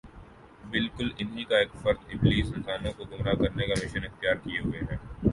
بلکہ انھی کا ایک فرد ابلیس انسانوں کو گمراہ کرنے کا مشن اختیار کیے ہوئے ہے